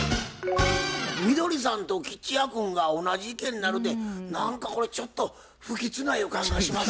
みどりさんと吉弥君が同じ意見になるて何かこれちょっと不吉な予感がしますなぁ。